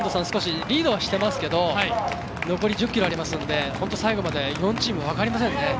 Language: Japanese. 少しリードはしてますけど残り１０ｋｍありますので最後まで４チーム本当に分かりませんね。